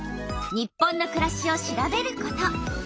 「日本のくらし」を調べること。